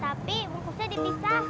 tapi bungkusnya dipisah